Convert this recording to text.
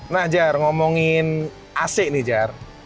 nah jar ngomongin ac ini jar